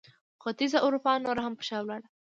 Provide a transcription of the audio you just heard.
خو ختیځه اروپا نوره هم پر شا ولاړه.